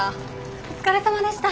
お疲れさまでした！